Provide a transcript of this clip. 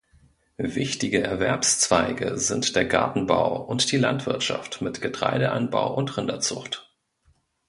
Wichtige Erwerbszweige sind der Gartenbau und die Landwirtschaft mit Getreideanbau und Rinderzucht.